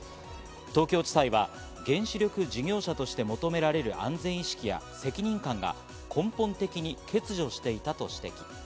東京地裁は、原子力事業者として求められる安全意識や責任感が根本的に欠如していたと指摘。